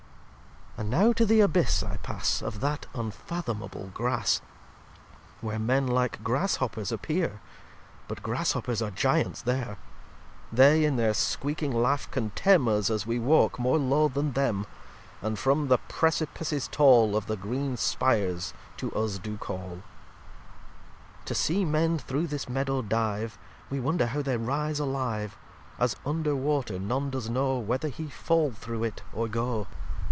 xlvii And now to the Abbyss I pass Of that unfathomable Grass, Where Men like Grashoppers appear, But Grashoppers are Gyants there: They, in there squeking Laugh, contemn Us as we walk more low then them: And, from the Precipices tall Of the green spir's, to us do call. xlviii To see Men through this Meadow Dive, We wonder how they rise alive. As, under Water, none does know Whether he fall through it or go.